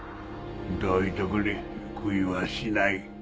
どいとくれ食いはしない。